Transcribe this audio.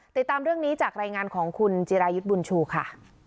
ติดตามเรื่องนี้จากรายงานของคุณจิรายุทธ์บุญชูค่ะ